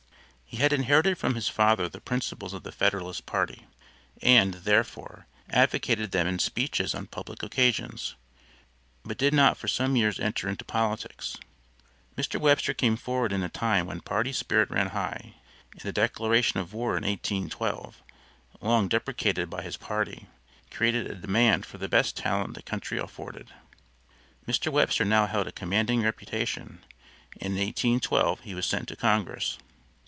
He had inherited from his father the principles of the Federalist party, and, therefore, advocated them in speeches on public occasions, but did not for some years enter into politics. Mr. Webster came forward in a time when party spirit ran high, and the declaration of war in 1812, long deprecated by his party, created a demand for the best talent the country afforded. Mr. Webster now held a commanding reputation, and in 1812 he was sent to Congress.